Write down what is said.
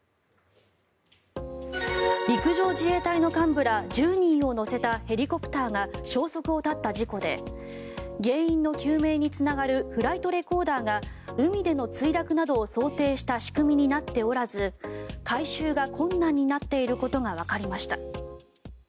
陸上自衛隊の幹部ら１０人を乗せたヘリコプターが消息を絶った事故で原因の究明につながるフライトレコーダーが海での墜落などを想定した仕組みになっておらず回収が困難になっていることがわかりました。